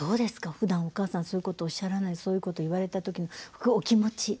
ふだんお母さんそういうことおっしゃらないそういうこと言われた時のお気持ち。